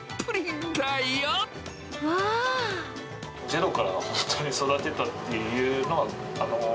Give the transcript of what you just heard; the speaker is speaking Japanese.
ゼロから本当に育てたってい